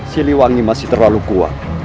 siliwangi masih terlalu kuat